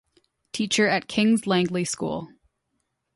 Teacher at Kings Langley School.